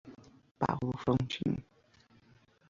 Paulo Frontin